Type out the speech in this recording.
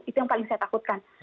itu yang paling saya takutkan